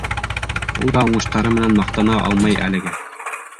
Ул да уңыштары менән маҡтана алмай әлегә.